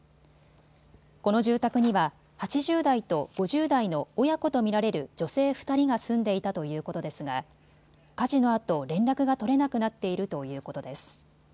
この住宅には８０代と５０代の親子と見られる女性２人が住んでいたということですが火事のあと連絡が取れなくなっているということです。